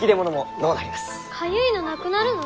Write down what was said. かゆいのなくなるの？